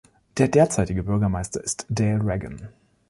Der derzeitige Bürgermeister ist Dale Reagan.